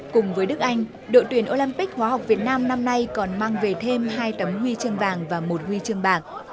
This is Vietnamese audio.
cùng với đức anh đội tuyển olympic hóa học việt nam năm nay còn mang về thêm hai tấm huy chương vàng và một huy chương bạc